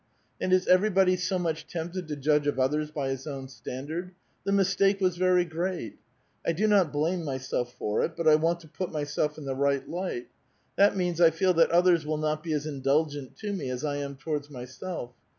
And everybody is so much tempted to judge of others by his own standard ; the mistake was very great : I do not blame myself for it, but I want to put myself in the right light; that means, I feel that others will not be as indulgent to me as I am towards myself.